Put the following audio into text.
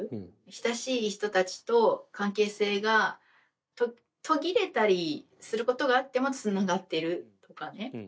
親しい人たちと関係性が途切れたりすることがあってもつながってるとかね。